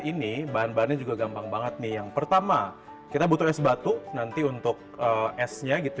ini bahan bahannya juga gampang banget nih yang pertama kita butuh es batu nanti untuk esnya gitu